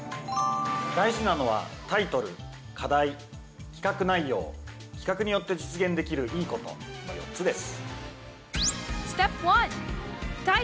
大事なのは「タイトル」「課題」「企画内容」「企画によって実現できるいいこと」の４つです。